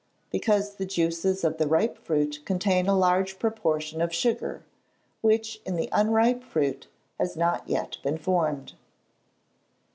_ Because the juices of the ripe fruit contain a large proportion of sugar, which in the unripe fruit has not been formed.